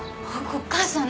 お母さん。